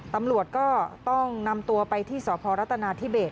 ตำรวจก็ต้องนำตัวไปที่สพรัฐนาธิเบส